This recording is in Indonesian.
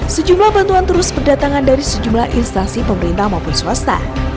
sejumlah bantuan terus berdatangan dari sejumlah instansi pemerintah maupun swasta